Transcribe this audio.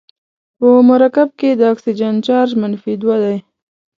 په مرکب کې د اکسیجن چارج منفي دوه دی.